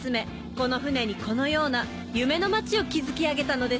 この船にこのような夢の街を築き上げたのです。